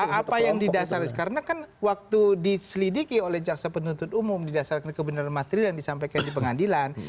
jadi apa yang didasarkan karena kan waktu diselidiki oleh jaksa penuntut umum didasarkan kebenaran materi yang disampaikan di pengadilan